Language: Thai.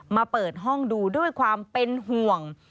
มาเปิดห้องดูด้วยความเป็นห่วง